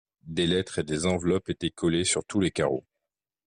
Des lettres et des enveloppes étaient collées sur tous les carreaux.